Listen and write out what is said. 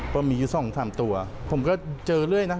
เพราะมี๒๓ตัวผมก็เจอเรื่อยนะ